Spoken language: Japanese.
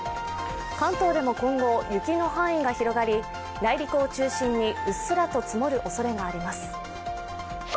関東でも今後、雪の範囲が広がり内陸を中心にうっすらと積もるおそれがあります。